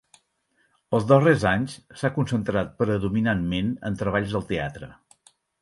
Els darrers anys s'ha concentrat predominantment en treballs al teatre.